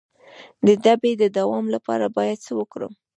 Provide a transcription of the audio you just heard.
د تبې د دوام لپاره باید څه وکړم؟